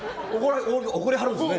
怒りはるんですね。